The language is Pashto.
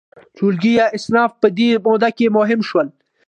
ټولګي یا اصناف په دې موده کې مهم شول.